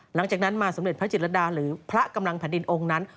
หลังจากนั้นมาสมเด็จพระจิตรดาหรือพระกำลังแผ่นดินองค์นั้น